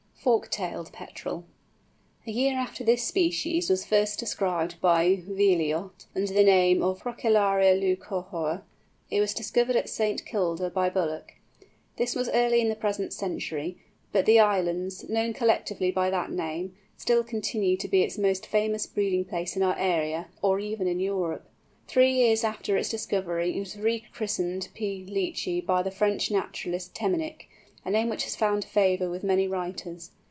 FORK TAILED PETREL. A year after this species was first described by Vieillot, under the name of Procellaria leucorhoa, it was discovered at St. Kilda by Bullock. This was early in the present century, but the islands, known collectively by that name, still continue to be its most famous breeding place in our area, or even in Europe. Three years after its discovery, it was rechristened P. leachi by the French naturalist Temminck, a name which has found favour with many writers.